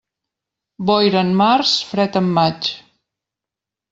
Boira en març, fred en maig.